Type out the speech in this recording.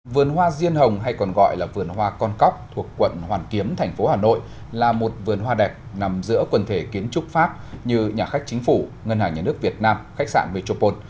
vườn hoa riêng hồng hay còn gọi là vườn hoa con cóc thuộc quận hoàn kiếm thành phố hà nội là một vườn hoa đẹp nằm giữa quần thể kiến trúc pháp như nhà khách chính phủ ngân hàng nhà nước việt nam khách sạn metropole